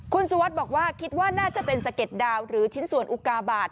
คุณสุวัสดิ์บอกว่าคิดว่าน่าจะเป็นสะเด็ดดาวหรือชิ้นส่วนอุกาบาท